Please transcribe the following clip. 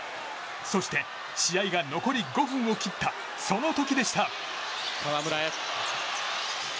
そして、試合が残り５分を切ったその時でした。